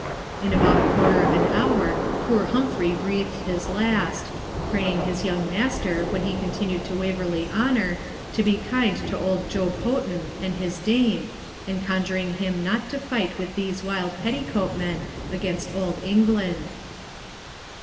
In about a quarter of an hour poor Humphrey breathed his last, praying his young master, when he returned to Waverley Honour, to be kind to old Job Houghton and his dame, and conjuring him not to fight with these wild petticoat men against old England.